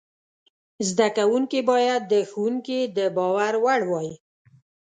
زده کوونکي باید د ښوونکي د باور وړ وای.